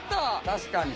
確かに。